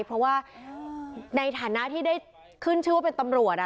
เพราะว่าในฐานะที่ได้ขึ้นชื่อว่าเป็นตำรวจ